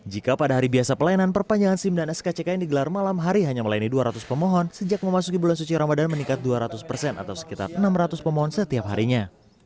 jika pada hari biasa pelayanan perpanjangan sim dan skck yang digelar malam hari hanya melayani dua ratus pemohon sejak memasuki bulan suci ramadan meningkat dua ratus persen atau sekitar enam ratus pemohon setiap harinya